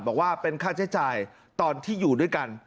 บอกว่าเป็นค่าใช้จ่ายตอนที่อยู่ด้วยกัน